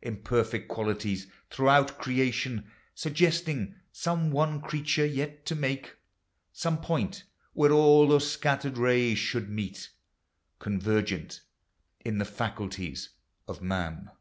Imperfect qualities throughout creation. Suggesting some one creature xet to make. Some point where all those scattered rays should meet Convergent in the faculties of man.